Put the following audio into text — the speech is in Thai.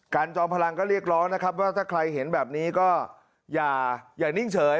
จอมพลังก็เรียกร้องนะครับว่าถ้าใครเห็นแบบนี้ก็อย่านิ่งเฉย